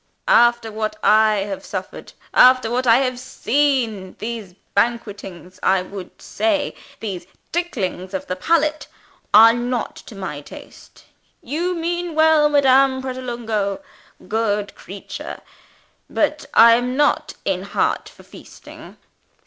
"After what I have suffered, after what I have seen, these banquetings I would say, these ticklings of the palate are not to my taste. You mean well, Madame Pratolungo. (Good creature!) But I am not in heart for feasting.